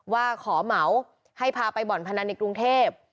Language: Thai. ว่าขอเหมาให้พาไปบ่อนพนันในกรุงเทพ